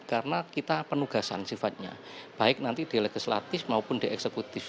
karena kita penugasan sifatnya baik nanti delegislatif maupun de eksekutif